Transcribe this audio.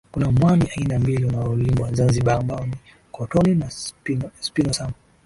Kuna mwani aina mbili unaolimwa Zanzibar ambao ni Kotonii na spinosam